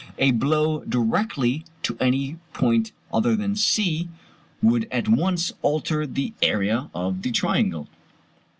A blow directed to any point other than C would at once alter the area of the triangle.